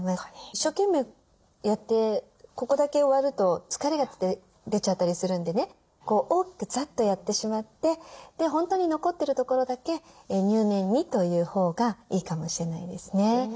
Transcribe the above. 一生懸命やってここだけ終わると疲れが出ちゃったりするんでね大きくざっとやってしまって本当に残ってるところだけ入念にというほうがいいかもしれないですね。